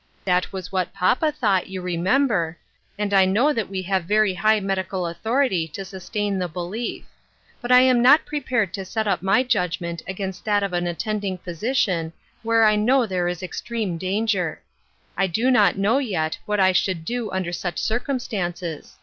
That was what papa thought, you remember, and I know that we have very high medical authority to sustain the belief ; but I am not prepared to set up my judg ment against that of an attending physician where I know there is extreme danger. I do not know yet what I should do under such circumstances.